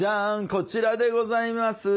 こちらでございます。